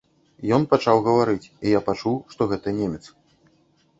Ён пачаў гаварыць, і я пачуў, што гэта немец.